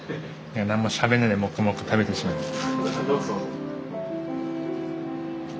何もしゃべんないで黙々食べてしまいます。